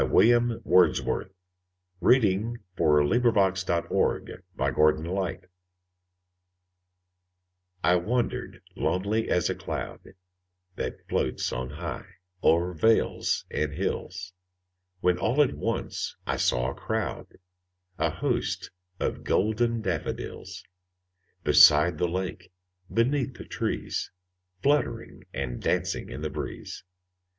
William Wordsworth I Wandered Lonely As a Cloud I WANDERED lonely as a cloud That floats on high o'er vales and hills, When all at once I saw a crowd, A host, of golden daffodils; Beside the lake, beneath the trees, Fluttering and dancing in the breeze.